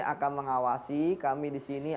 akan mengawasi kami di sini